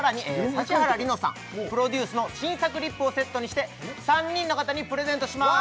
指原莉乃さんプロデュースの新作リップをセットにして３人の方にプレゼントします！